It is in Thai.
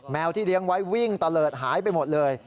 ที่เลี้ยงไว้วิ่งตะเลิศหายไปหมดเลย